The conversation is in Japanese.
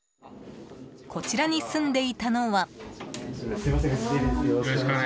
こちらに住んでいたのは。